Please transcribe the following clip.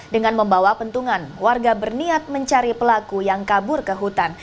dengan membawa pentungan warga berniat mencari pelaku yang kabur ke hutan